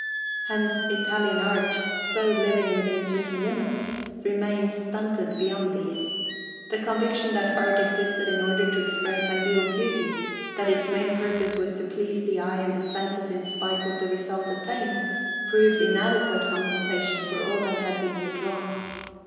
Hence Italian art, so living within certain limits, remained stunted beyond these. The conviction that art existed in order to express ideal beauty, that its main purpose was to please the eye and the senses in spite of the result attained, proved inadequate compensation for all that had been withdrawn.